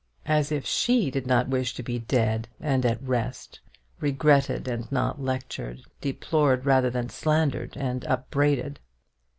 As if she did not wish to be dead and at rest, regretted and not lectured, deplored rather than slandered and upbraided.